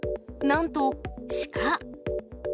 なんと、シカ。